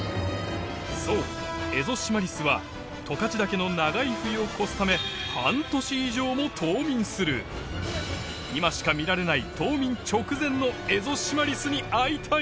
そうエゾシマリスは十勝岳の長い冬を越すため今しか見られない冬眠直前のエゾシマリスに会いたい！